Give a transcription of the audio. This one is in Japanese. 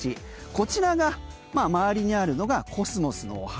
こちらが、周りにあるのがコスモスのお花。